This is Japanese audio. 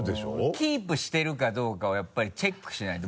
キープしてるかどうかをやっぱりチェックしないと。